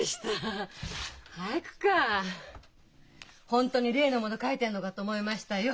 本当に例のもの書いてるのかと思いましたよ。